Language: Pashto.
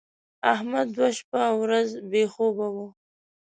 احمد دوه شپه او ورځ بې خوبه و.